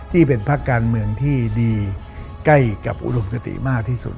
ที่เป็นพักการเมืองที่ดีใกล้กับอุดมคติมากที่สุด